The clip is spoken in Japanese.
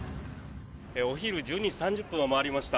お昼１２時３０分を回りました。